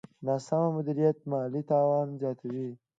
ناسم مدیریت مالي تاوان زیاتوي.